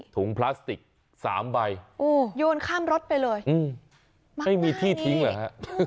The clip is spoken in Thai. พลาสติก๓ใบโยนข้ามรถไปเลยไม่มีที่ทิ้งเหรอฮะ